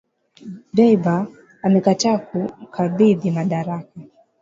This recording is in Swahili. Dbeibah amekataa kumkabidhi madaraka